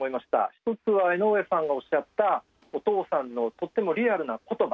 一つは江上さんがおっしゃったお父さんのとってもリアルな言葉。